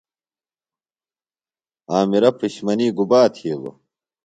عامرہ پِشمنی گُبا تِھیلوۡ؟